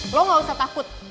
lo gak usah takut